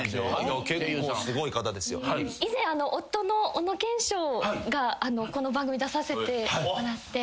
以前夫の小野賢章がこの番組出させてもらって。